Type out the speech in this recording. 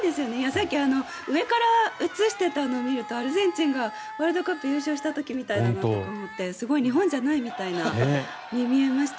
さっき上から映していたの見るとアルゼンチンがワールドカップ優勝した時みたいだなと思ってすごい日本じゃないみたいに見えました。